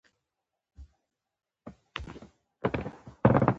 آب وهوا د افغانستان د سیلګرۍ یوه برخه ده.